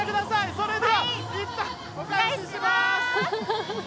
それでは、いったん、お返しします。